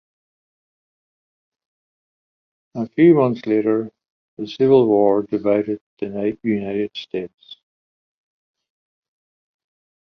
A few months later, the Civil War divided the United States.